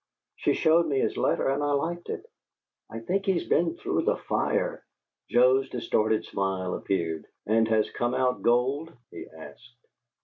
She showed me his letter, and I liked it. I think he's been through the fire " Joe's distorted smile appeared. "And has come out gold?" he asked.